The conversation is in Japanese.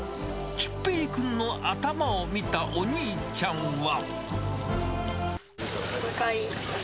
きっぺい君の頭を見たお兄ちゃん赤い。